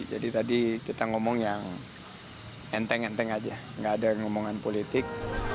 jadi tadi kita ngomong yang enteng enteng aja gak ada ngomongan politik